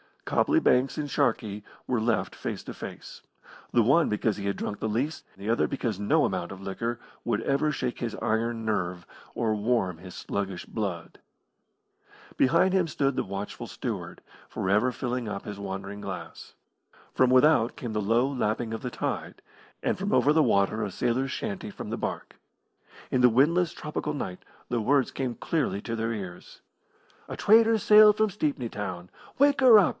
Copley Banks and Sharkey were left face to face, the one because he had drunk the least, the other because no amount of liquor would ever shake his iron nerve or warm his sluggish blood. Behind him stood the watchful steward, for ever filling up his waning glass. From without came the low lapping of the tide, and from over the water a sailor's chanty from the barque. In the windless tropical night the words came clearly to their ears: A trader sailed from Stepney Town, Wake her up!